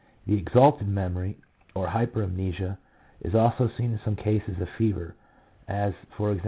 The exalted memory, or hypermnesia, is also seen in some cases of fever — as e.g.